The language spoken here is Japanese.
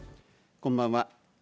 こんばんは。